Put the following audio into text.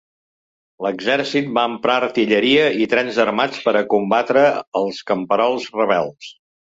L'exèrcit va emprar artilleria i trens armats per a combatre als camperols rebels.